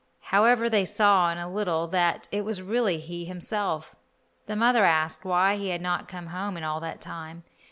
However, they saw in a little that it was really he himself. The mother asked why he had not come home in all that time.